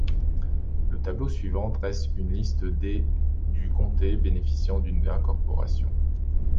Le tableau suivant dresse une liste des du comté bénéficiant d'une incorporation.